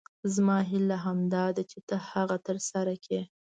زما هیله همدا ده چې ته هغه تر سره کړې.